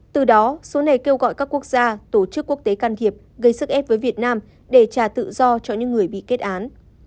từ đó số này kêu gọi các quốc gia tổ chức quốc tế can thiệp gây sức ép với việt nam để trả tự do cho những người bị kết án